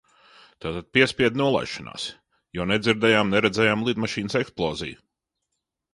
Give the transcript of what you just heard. Tātad piespiedu nolaišanās, jo nedzirdējām, neredzējām lidmašīnas eksploziju.